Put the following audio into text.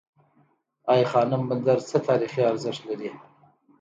ای خانم بندر څه تاریخي ارزښت لري؟